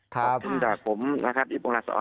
ขอบคุณจากผมนะครับอิปวงราศาล